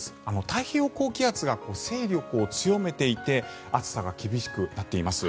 太平洋高気圧が勢力を強めていて暑さが厳しくなっています。